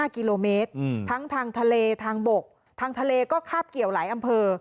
๕กิโลเมตรทั้งทางทะเลทางบกทางทะเลก็คาบเกี่ยวหลายอำเภอ